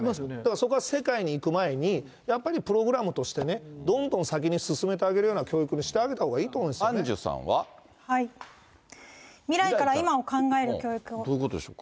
それは世界に行く前にやっぱりプログラムとして、どんどん先に進めてあげるような教育にしてあげたほうがいいと思アンジュさんは？どういうことでしょうか。